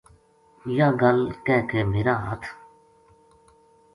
یاہ گل کہہ کے میرا ہتھ